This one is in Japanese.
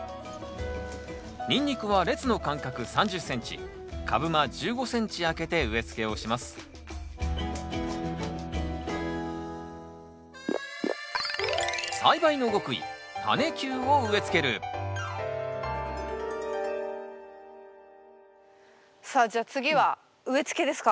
ニンニクは列の間隔３０ｃｍ株間１５ｃｍ空けて植え付けをしますさあじゃあ次は植え付けですか？